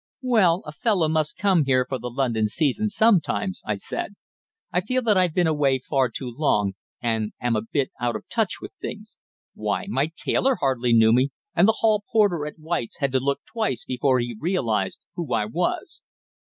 "Well, a fellow must come here for the London season sometimes," I said. "I feel that I've been away far too long, and am a bit out of touch with things. Why, my tailor hardly knew me, and the hall porter at White's had to look twice before he realized who I was."